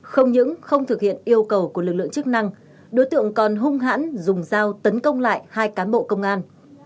không những không thực hiện yêu cầu của lực lượng chức năng đối tượng còn hung hãn dùng dao tấn công lại hai cán bộ công an